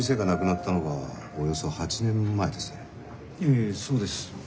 ええそうです。